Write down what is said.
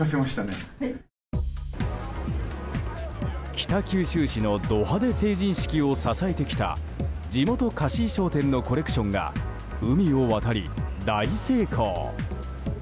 北九州市のド派手成人式を支えてきた地元貸衣装店のコレクションが海を渡り、大成功。